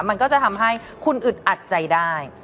มันก็จะทำให้คุณอึดอัดใจได้